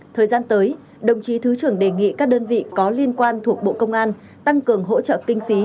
thời gian tới đồng chí thứ trưởng đề nghị các đơn vị có liên quan thuộc bộ công an tăng cường hỗ trợ kinh phí